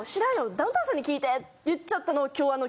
ダウンタウンさんに聞いて」って言っちゃったのを。